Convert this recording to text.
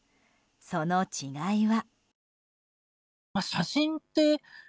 その違いは。